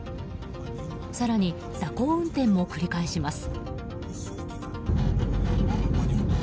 更に、蛇行運転も繰り返します。